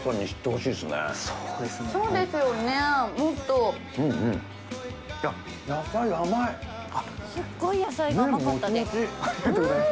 「すっごい野菜が甘かったです」